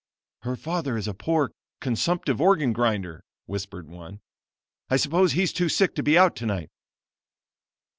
"Her father is a poor, consumptive organ grinder," whispered one. "I suppose he's too sick to be out tonight."